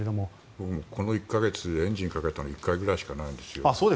僕もこの１か月エンジンをかけたの１回くらいしかないんですよ。